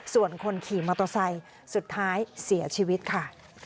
ส่วนคนขี่มอเตอร์ไซค์สุดท้ายเสียชีวิตค่ะ